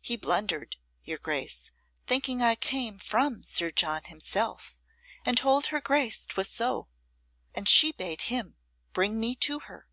He blundered, your Grace, thinking I came from Sir John himself, and told her Grace 'twas so. And she bade him bring me to her."